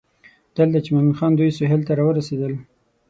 دلته چې مومن خان دوی سهیل ته راورسېدل.